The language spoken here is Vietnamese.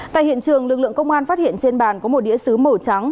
tại hiện trường lực lượng công an phát hiện trên bàn có một đĩa xứ màu trắng